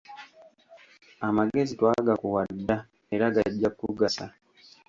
Amagezi twagakuwa dda era gajja kukugasa.